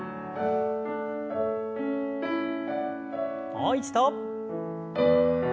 もう一度。